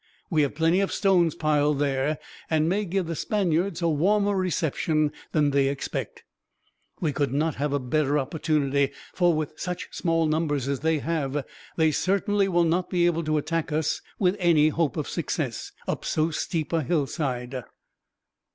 We have plenty of stones piled there, and may give the Spaniards a warmer reception than they expect. We could not have a better opportunity; for, with such small numbers as they have, they certainly would not be able to attack us, with any hope of success, up so steep a hillside."